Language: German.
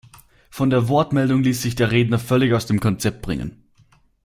Von der Wortmeldung ließ sich der Redner völlig aus dem Konzept bringen.